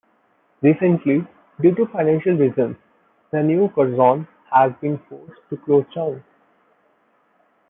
Recently, due to financial reasons, the New Curzon has been forced to close down.